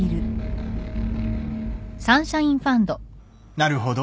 なるほど。